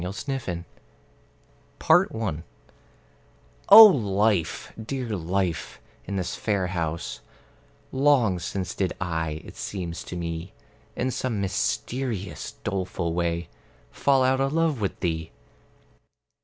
The Faithless Lover I O Life, dear Life, in this fair house Long since did I, it seems to me, In some mysterious doleful way Fall out of love with thee.